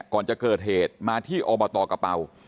ก่อนจะเกิดเหตุมาที่อบตกระเป๋า